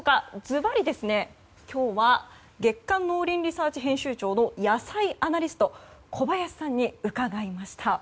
ずばり、今日は月刊「農林リサーチ」編集長の野菜アナリスト、小林さんに伺いました。